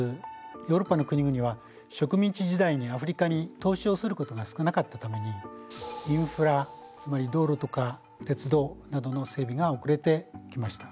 ヨーロッパの国々は植民地時代にアフリカに投資をすることが少なかったためにインフラつまり道路とか鉄道などの整備が遅れてきました。